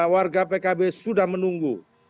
warga pkb sudah menunggu